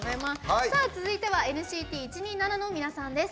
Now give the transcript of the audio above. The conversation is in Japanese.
続いてはＮＣＴ１２７の皆さんです。